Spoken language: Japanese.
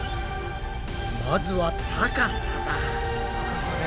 まずは高さだ。